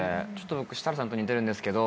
僕設楽さんと似てるんですけど。